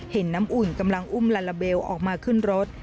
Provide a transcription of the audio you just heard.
เห็นน้ำอุ่นกำลังอุ้มลาลาเบลออกมาขึ้นรถ